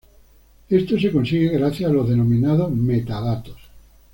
Esto se consigue gracias a los denominados metadatos.